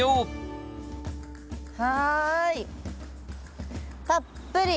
はい。